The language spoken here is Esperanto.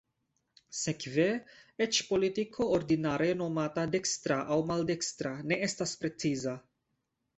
Sekve, eĉ politiko ordinare nomata "dekstra" aŭ "maldekstra" ne estas preciza.